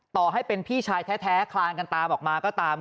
ต่อให้เป็นพี่ชายแท้คลานกันตามออกมาก็ตาม